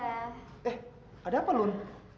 eh ada apa lun